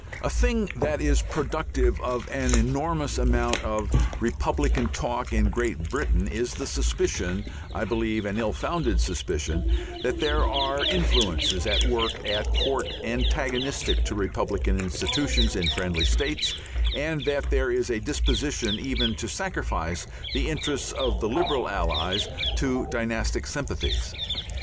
A thing that is productive of an enormous amount of republican talk in Great Britain is the suspicion I believe an ill founded suspicion that there are influences at work at court antagonistic to republican institutions in friendly states and that there is a disposition even to sacrifice the interests of the liberal allies to dynastic sympathies.